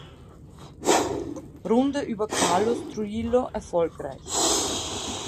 Runde über Carlos Trujillo, erfolgreich.